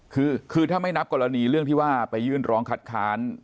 คือคือถ้าไม่นับกรณีเรื่องที่ว่าไปยื่นร้องคัดค้าน